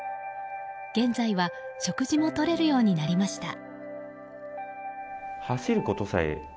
現在は食事もとれるようになりました。